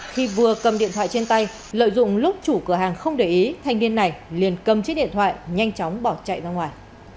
khi vừa cầm điện thoại trên tay lợi dụng lúc chủ cửa hàng không để ý thanh niên này liền cầm chiếc điện thoại nhanh chóng bỏ chạy ra ngoài